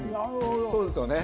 そうですよね。